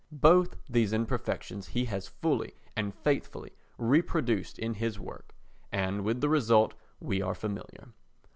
Both these imperfections he has fully and faithfully reproduced in his work and with the result we are familiar.